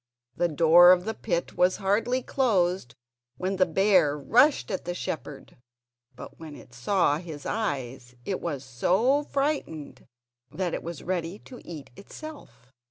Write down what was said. The door of the pit was hardly closed when the bear rushed at the shepherd; but when it saw his eyes it was so frightened that it was ready to eat itself.